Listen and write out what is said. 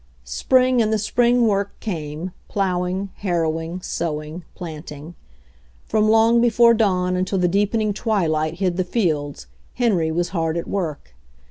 Spring and the spring work came, plowing, harrowing, sowing, planting. From long before dawn until the deepening twilight hid the fields Henry was hard at work.